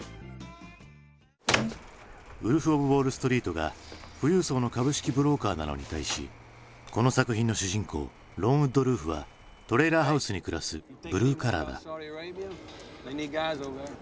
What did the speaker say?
「ウルフ・オブ・ウォールストリート」が富裕層の株式ブローカーなのに対しこの作品の主人公ロン・ウッドルーフはトレーラーハウスに暮らすブルーカラーだ。